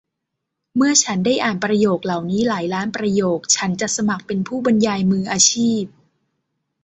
เมื่อฉันได้อ่านประโยคเหล่านี้หลายล้านประโยคฉันจะสมัครเป็นผู้บรรยายมืออาชีพ